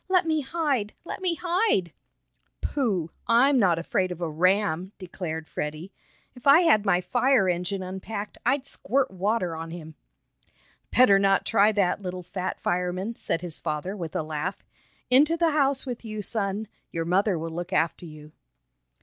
"Let me hide! Let me hide!" "Pooh! I'm not afraid of a ram!" declared Freddie. "If I had my fire engine unpacked, I'd squirt water on him!" "Better not try that, little fat fireman," said his father with a laugh. "Into the house with you, son. Your mother will look after you."